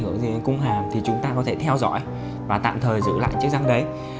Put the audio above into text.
không ảnh hưởng gì đến cung hàm thì chúng ta có thể theo dõi và tạm thời giữ lại chiếc răng đấy